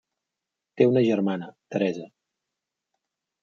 Té una germana, Teresa.